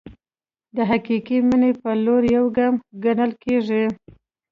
د حقیقي مینې په لور یو ګام ګڼل کېږي.